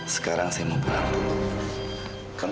sekarang saya mau pulang dulu